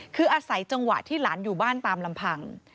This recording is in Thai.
คืออาศัยจังหวะที่หลานอยู่บ้านตามลำพัง